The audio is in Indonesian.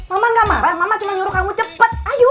mama nggak marah mama cuma nyuruh kamu cepet ayo